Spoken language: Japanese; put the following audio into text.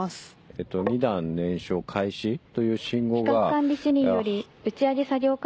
えっと２段燃焼開始という信号が。